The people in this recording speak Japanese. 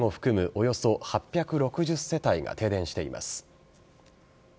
およそ８６０世帯が停電しています。